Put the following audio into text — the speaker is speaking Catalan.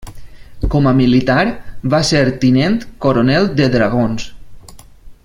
Com a militar, va ser tinent coronel de Dragons.